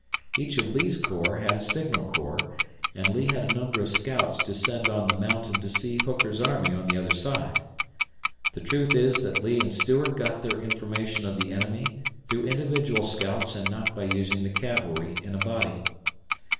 Each of Lee's corps had a signal corps, and Lee had a number of scouts to send on the mountain to see Hooker's army on the other side. The truth is that Lee and Stuart got their information of the enemy through individual scouts and not by using the cavalry in a body.